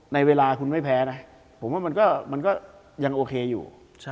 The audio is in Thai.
ในเวลาคุณไม่แพ้นะผมว่ามันก็ยังโอเคอยู่